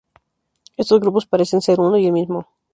Estos grupos parecen ser uno y el mismo.